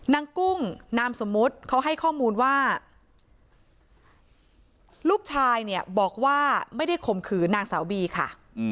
กุ้งนามสมมุติเขาให้ข้อมูลว่าลูกชายเนี่ยบอกว่าไม่ได้ข่มขืนนางสาวบีค่ะ